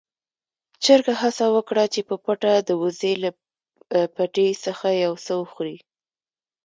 چرګ هڅه وکړه چې په پټه د وزې له پټي څخه يو څه وخوري.